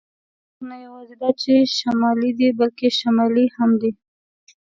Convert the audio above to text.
د تخار خلک نه یواځې دا چې شمالي دي، بلکې شمالي هم دي.